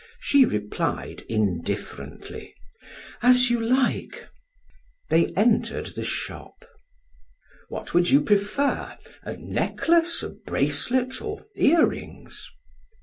She replied indifferently: "As you like." They entered the shop: "What would you prefer, a necklace, a bracelet, or earrings?"